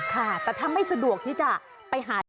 ค่ะแต่ถ้าไม่สะดวกที่จะไปหา